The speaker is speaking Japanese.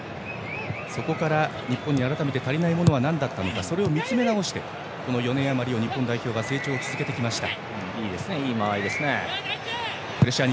そこから、日本に改めて足りないものはなんだったのかそれを見つめ直してこの４年余りを日本代表が成長を続けてきました。